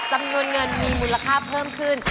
จำนวนเงินมีมูลค่าเพิ่มขึ้น